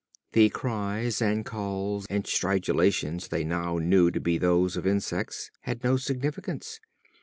The cries and calls and stridulations they now knew to be those of insects had no significance.